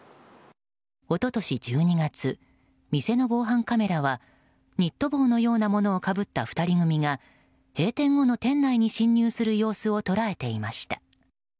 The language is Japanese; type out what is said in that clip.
一昨年１２月、店の防犯カメラはニット帽のようなものをかぶった２人組が閉店後の店内に侵入する様子を捉えていました。